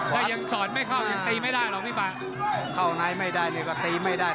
ถ้ายังสอนไม่เข้ายังตีไม่ได้หรอกพี่ป่าเข้าในไม่ได้เลยก็ตีไม่ได้